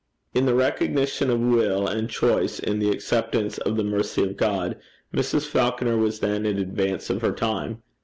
In the recognition of will and choice in the acceptance of the mercy of God, Mrs. Falconer was then in advance of her time.